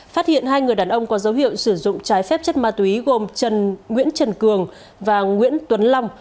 phát hiện hai người đàn ông có dấu hiệu sử dụng trái phép chất ma túy gồm nguyễn trần cường và nguyễn tuấn long